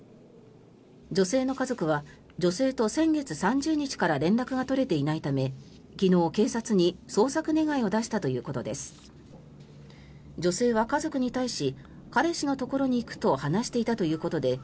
女性の家族は、女性と先月３０日から連絡が取れていないため昨日、警察に捜索願を出したということです。